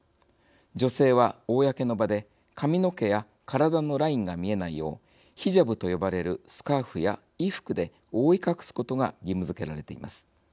女性は、公の場で髪の毛や身体のラインが見えないようヒジャブと呼ばれるスカーフや衣服で覆い隠すことが義務づけられています。